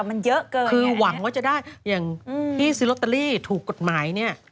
มันเยอะเกินคือหวังว่าจะได้อย่างที่ซื้อลอตเตอรี่ถูกกฎหมายเนี่ย